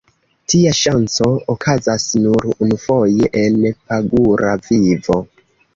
Tia ŝanco okazas nur unufoje en pagura vivo.